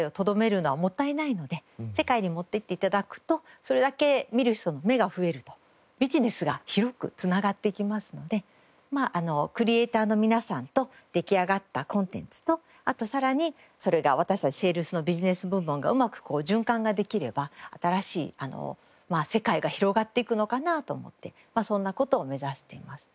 世界に持って行って頂くとそれだけ見る人の目が増えるとビジネスが広く繋がっていきますのでクリエーターの皆さんと出来上がったコンテンツとあとさらにそれが私たちセールスのビジネス部門がうまく循環ができれば新しい世界が広がっていくのかなと思ってそんな事を目指しています。